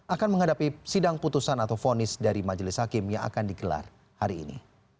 akan menghadapi sidang putusan atau fonis dari majelis hakim yang akan digelar hari ini